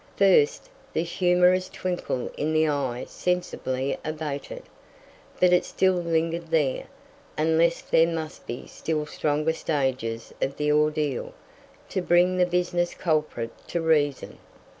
First, the humorous twinkle in the eye sensibly abated, but it still lingered there, unless there must be still stronger stages of the ordeal, to bring the business culprit to reason.